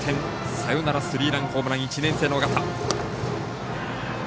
サヨナラスリーランホームラン１年生の緒方。